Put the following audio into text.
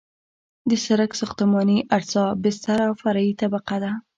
د سرک ساختماني اجزا بستر او فرعي طبقه ده